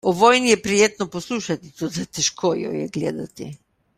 O vojni je prijetno poslušati, toda težko jo je gledati.